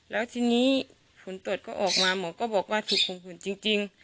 แล้วทีนี้ผลตรวจก็ออกมาหมอก็บอกว่าถูกข่มขืนจริง